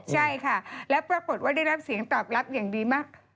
ใช่ค่ะแล้วปรากฏว่าได้รับเสียงตอบรับอย่างดีมาก